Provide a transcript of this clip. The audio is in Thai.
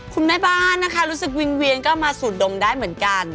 คุณแม่บ้านนะคะรู้สึกวิงเวียนก็มาสูดดมได้เหมือนกัน